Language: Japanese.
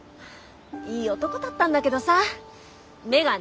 いい男だったんだけどさ目がね。